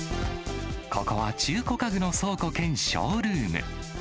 ここは中古家具の倉庫兼ショールーム。